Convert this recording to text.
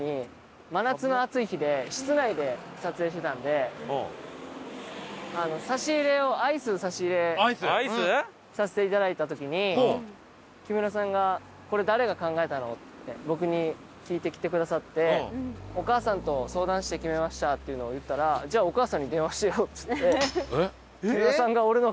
室内で撮影してたんで差し入れをアイスの差し入れさせていただいた時に木村さんが「これ誰が考えたの？」って僕に聞いてきてくださって「お母さんと相談して決めました」っていうのを言ったら「じゃあお母さんに電話してよ」っつって。